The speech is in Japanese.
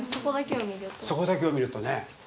そこだけを見るとね。